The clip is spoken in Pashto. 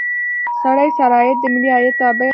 سړي سر عاید د ملي عاید تابع ده.